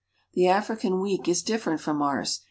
The African week is different from ours.